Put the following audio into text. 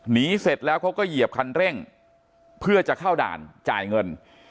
เสร็จแล้วเขาก็เหยียบคันเร่งเพื่อจะเข้าด่านจ่ายเงิน